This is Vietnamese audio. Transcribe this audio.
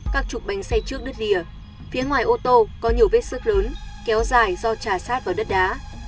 các trục bánh xe trước đứt rìa phía ngoài ô tô có nhiều vết sức lớn kéo dài do trà sát vào đất đá